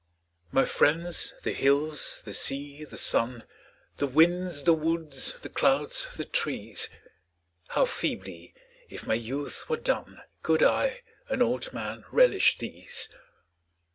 My friends the hills, the sea, the sun, The winds, the woods, the clouds, the trees How feebly, if my youth were done, Could I, an old man, relish these